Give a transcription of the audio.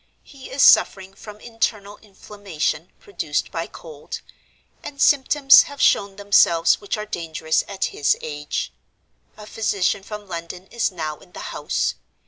He is suffering from internal inflammation, produced by cold; and symptoms have shown themselves which are dangerous at his age. A physician from London is now in the house.